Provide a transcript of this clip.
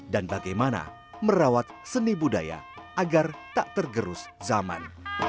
dan bagaimana merawat seni budaya agar tak tergerus zaman